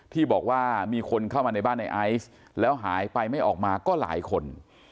ที่บอกว่ามีคนเข้ามาในบ้านในไอซ์แล้วหายไปไม่ออกมาก็หลายคน